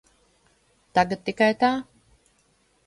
Tagad tikai tā.